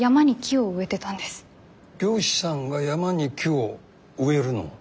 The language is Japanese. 漁師さんが山に木を植えるの？